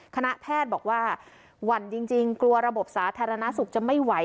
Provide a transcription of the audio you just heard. คณะแพทย์บอกว่าหวั่นจริงกลัวระบบสาธารณสุขจะไม่ไหว